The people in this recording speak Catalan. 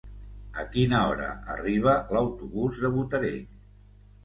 A quina hora arriba l'autobús de Botarell?